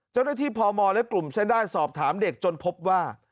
เจ้าหน้าที่พมและกลุ่มเส้นได้สอบถามเด็กจนพบว่า